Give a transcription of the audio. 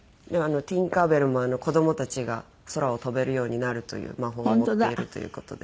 ティンカー・ベルも子どもたちが空を飛べるようになるという魔法をかけられるという事で。